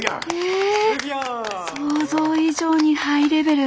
え想像以上にハイレベル。